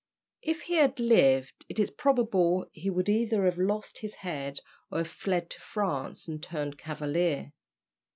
If he had lived it is probable he would either have lost his head or have fled to France and turned cavalier.